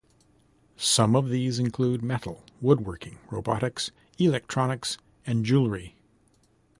Some of these include Metal, Woodworking, Robotics, Electronics and Jewelry.